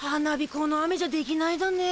この雨じゃできないだね。